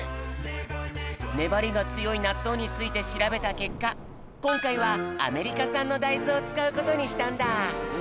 ねばりがつよいなっとうについてしらべたけっかこんかいはアメリカさんのだいずをつかうことにしたんだ。